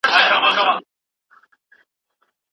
چي پردۍ فتوا وي هېره محتسب وي تښتېدلی